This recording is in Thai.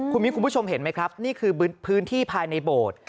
คุณมิ้นคุณผู้ชมเห็นไหมครับนี่คือพื้นที่ภายในโบสถ์